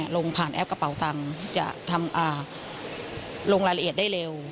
ลงผ่านแอปกระเป๋าตังค์จะทำลงรายละเอียดได้เร็ว